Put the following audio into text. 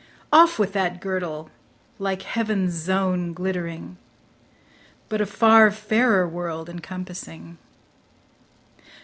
Off with that girdle, like heaven's zone glittering, But a far fairer world encompassing.